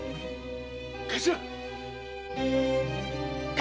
頭？